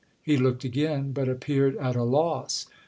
He looked again, but appeared at a loss.